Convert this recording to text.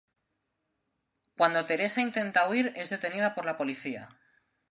Cuando Theresa intenta huir es detenida por la policía.